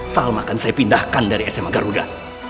salma akan saya pindahkan dari sma garuda